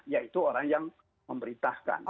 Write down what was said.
yaitu orang yang memberitahkan